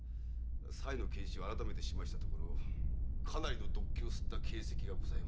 佐枝の検死を改めてしましたところかなりの毒気を吸った形跡がございました。